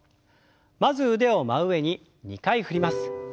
まず腕を真上に２回振ります。